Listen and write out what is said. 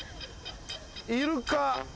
イルカ。